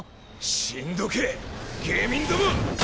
死んどけ下民ども！